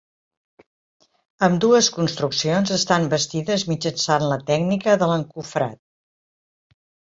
Ambdues construccions estan bastides mitjançant la tècnica de l'encofrat.